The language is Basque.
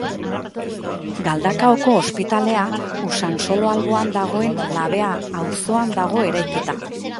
Galdakaoko Ospitalea Usansolo alboan dagoen Labea auzoan dago eraikia.